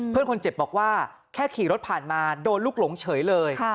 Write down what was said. เพื่อนคนเจ็บบอกว่าแค่ขี่รถผ่านมาโดนลูกหลงเฉยเลย